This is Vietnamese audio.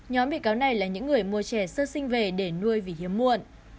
nhóm bị cáo này là những người mua trẻ sơ sinh về để nuôi vì hiếm muộn